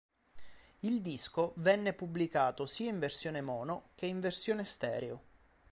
Il disco venne pubblicato sia in versione mono che in versione stereo.